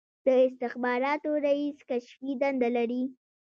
د استخباراتو رییس کشفي دنده لري